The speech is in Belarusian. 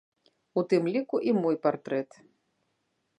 У тым ліку і мой партрэт.